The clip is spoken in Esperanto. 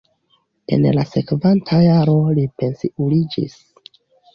En la sekvanta jaro li pensiuliĝis.